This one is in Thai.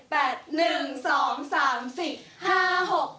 พร้อม